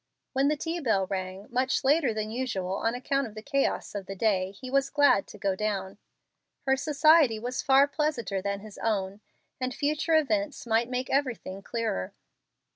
When the tea bell rang, much later than usual on account of the chaos of the day, he was glad to go down. Her society was far pleasanter than his own, and future events might make everything clearer.